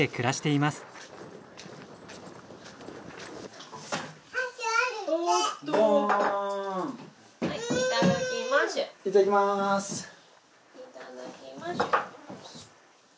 いただきましゅ。